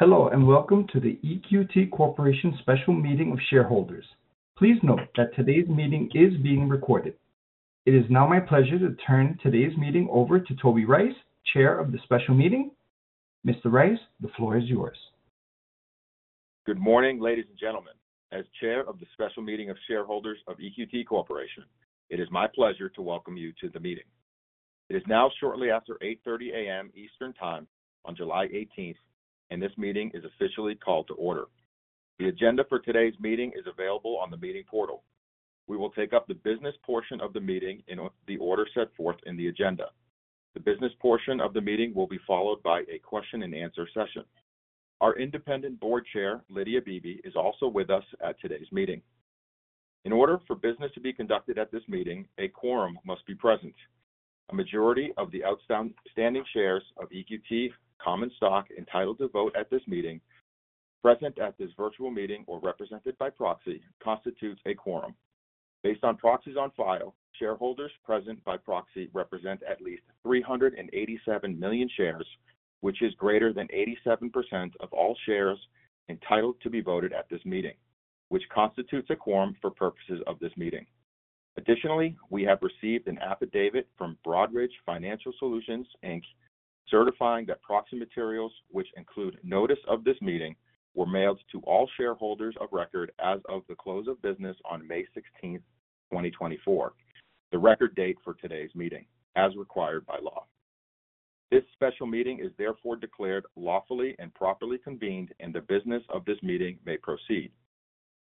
Hello, and Welcome to the EQT Corporation Special Meeting of Shareholders. Please note that today's meeting is being recorded. It is now my pleasure to turn today's meeting over to Toby Rice, Chair of the Special Meeting. Mr. Rice, the floor is yours. Good morning, ladies and gentlemen. As Chair of the Special Meeting of Shareholders of EQT Corporation, it is my pleasure to welcome you to the meeting. It is now shortly after 8:30 A.M. Eastern Time on July 18th, and this meeting is officially called to order. The agenda for today's meeting is available on the meeting portal. We will take up the business portion of the meeting in the order set forth in the agenda. The business portion of the meeting will be followed by a question-and-answer session. Our independent board chair, Lydia Beebe, is also with us at today's meeting. In order for business to be conducted at this meeting, a quorum must be present. A majority of the outstanding shares of EQT common stock entitled to vote at this meeting, present at this virtual meeting or represented by proxy, constitutes a quorum. Based on proxies on file, shareholders present by proxy represent at least 387 million shares, which is greater than 87% of all shares entitled to be voted at this meeting, which constitutes a quorum for purposes of this meeting. Additionally, we have received an affidavit from Broadridge Financial Solutions, Inc certifying that proxy materials, which include notice of this meeting, were mailed to all shareholders of record as of the close of business on May 16, 2024, the record date for today's meeting, as required by law. This special meeting is therefore declared lawfully and properly convened, and the business of this meeting may proceed.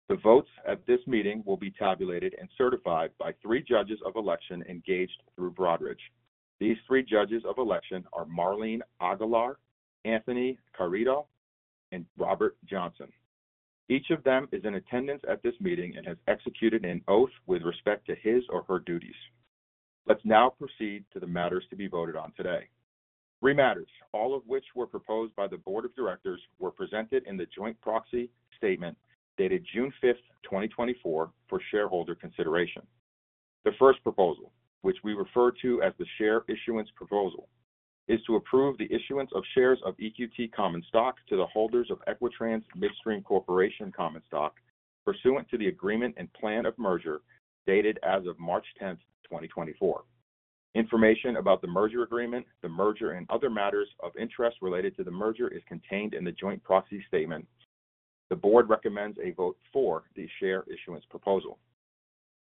The votes at this meeting will be tabulated and certified by three judges of election engaged through Broadridge. These three judges of election are Marlene Aguilar, Anthony Carrello, and Robert Johnson. Each of them is in attendance at this meeting and has executed an oath with respect to his or her duties. Let's now proceed to the matters to be voted on today. Three matters, all of which were proposed by the board of directors, were presented in the Joint Proxy Statement dated June 5, 2024, for shareholder consideration. The first proposal, which we refer to as the Share Issuance Proposal, is to approve the issuance of shares of EQT common stock to the holders of Equitrans Midstream Corporation common stock, pursuant to the Agreement and Plan of Merger dated as of March 10th, 2024. Information about the merger agreement, the merger, and other matters of interest related to the merger is contained in the Joint Proxy Statement. The board recommends a vote for the Share Issuance Proposal.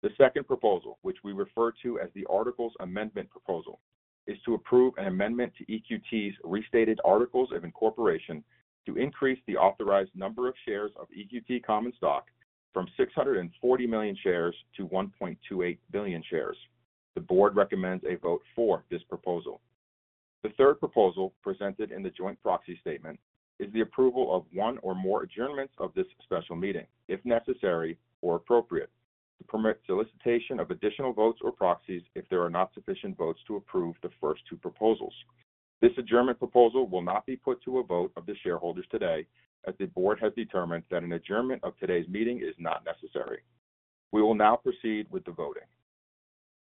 The second proposal, which we refer to as the Articles Amendment Proposal, is to approve an amendment to EQT's Restated Articles of Incorporation to increase the authorized number of shares of EQT common stock from 640 million shares to 1.28 billion shares. The board recommends a vote for this proposal. The third proposal presented in the joint proxy statement is the approval of one or more adjournments of this special meeting, if necessary or appropriate, to permit solicitation of additional votes or proxies if there are not sufficient votes to approve the first two proposals. This Adjournment Proposal will not be put to a vote of the shareholders today, as the board has determined that an adjournment of today's meeting is not necessary. We will now proceed with the voting.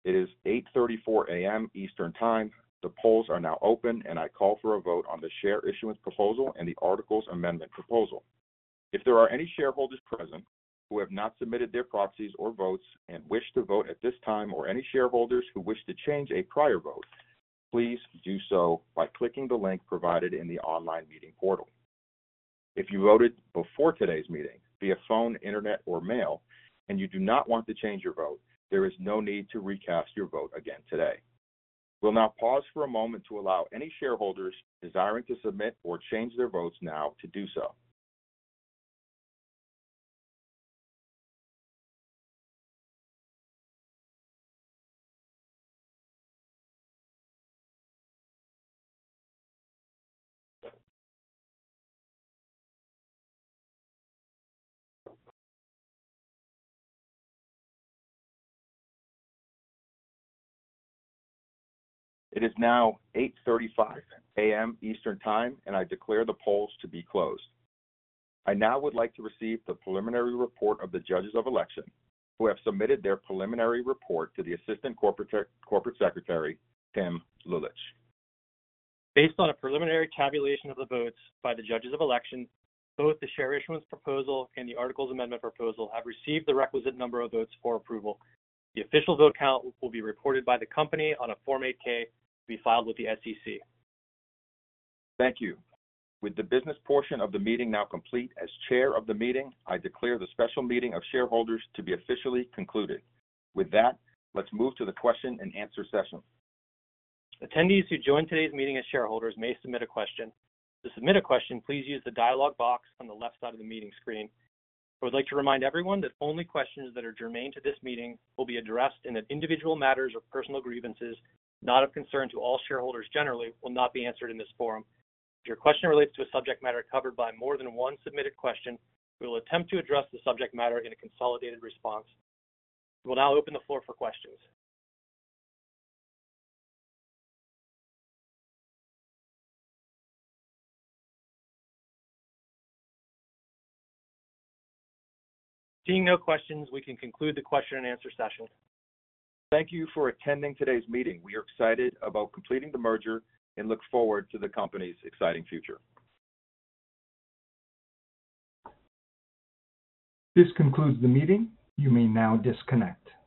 It is 8:34 A.M. Eastern Time. The polls are now open, and I call for a vote on the share issuance proposal and the Articles Amendment Proposal. If there are any shareholders present who have not submitted their proxies or votes and wish to vote at this time or any shareholders who wish to change a prior vote, please do so by clicking the link provided in the online meeting portal. If you voted before today's meeting via phone, internet, or mail, and you do not want to change your vote, there is no need to recast your vote again today. We'll now pause for a moment to allow any shareholders desiring to submit or change their votes now to do so. It is now 8:35 A.M. Eastern Time, and I declare the polls to be closed. I now would like to receive the preliminary report of the judges of election, who have submitted their preliminary report to the Assistant Corporate Secretary, Tim Lulich. Based on a preliminary tabulation of the votes by the judges of election, both the share issuance proposal and the Articles Amendment Proposal have received the requisite number of votes for approval. The official vote count will be reported by the company on a Form 8-K to be filed with the SEC. Thank you. With the business portion of the meeting now complete, as chair of the meeting, I declare the Special Meeting of Shareholders to be officially concluded. With that, let's move to the question-and-answer session. Attendees who joined today's meeting as shareholders may submit a question. To submit a question, please use the dialogue box on the left side of the meeting screen. I would like to remind everyone that only questions that are germane to this meeting will be addressed and that individual matters or personal grievances, not of concern to all shareholders generally, will not be answered in this forum. If your question relates to a subject matter covered by more than one submitted question, we will attempt to address the subject matter in a consolidated response. We will now open the floor for questions. Seeing no questions, we can conclude the question-and-answer session. Thank you for attending today's meeting. We are excited about completing the merger and look forward to the company's exciting future. This concludes the meeting. You may now disconnect.